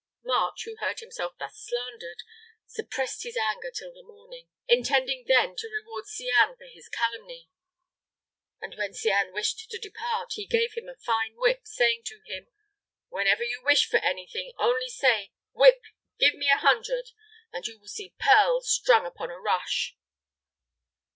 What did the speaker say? March, who heard himself thus slandered, suppressed his anger till the morning, intending then to reward Cianne for his calumny; and when Cianne wished to depart, he gave him a fine whip, saying to him, "Whenever you wish for anything, only say, 'Whip, give me an hundred!' and you shall see pearls strung upon a rush."